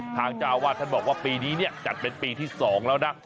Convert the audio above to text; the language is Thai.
เจ้าอาวาสท่านบอกว่าปีนี้เนี่ยจัดเป็นปีที่๒แล้วนะ